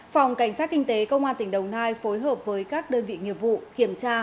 phòng cảnh sát kinh tế công an tỉnh đồng nai phối hợp với các đơn vị nghiệp vụ kiểm tra